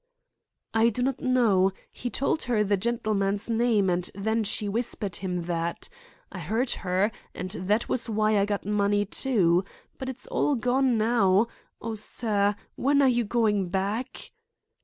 "I do not know. He told her the gentleman's name and then she whispered him that. I heard her, and that was why I got money, too. But it's all gone now. Oh, sir, when are you going back?"